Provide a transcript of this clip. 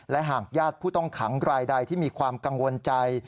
และหากญาติผู้ต้องขังรายใดที่มีความกังวลใจ